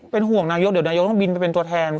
เป็นห่วงนายกเดี๋ยวนายกต้องบินไปเป็นตัวแทน